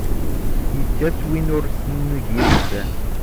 Yečča-tt win ur as-negi leḥsan.